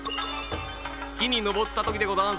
きにのぼったときでござんす！